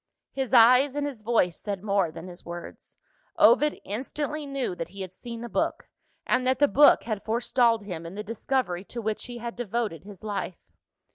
His eyes and his voice said more than his words. Ovid instantly knew that he had seen the book; and that the book had forestalled him in the discovery to which he had devoted his life.